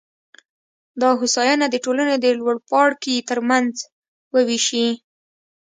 دا هوساینه د ټولنې د لوړپاړکي ترمنځ ووېشي.